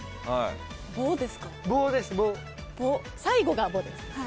最後が「ぼ」です。